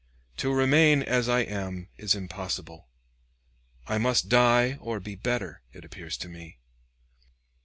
To remain as I am is impossible; I must die or be better, it appears to me.